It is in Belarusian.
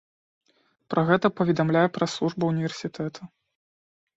Пра гэта паведамляе прэс-служба ўніверсітэта.